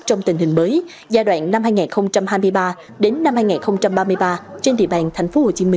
trong tình hình mới giai đoạn năm hai nghìn hai mươi ba đến năm hai nghìn ba mươi ba trên địa bàn tp hcm